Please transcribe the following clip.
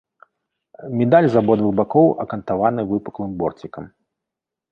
Медаль з абодвух бакоў акантаваны выпуклым борцікам.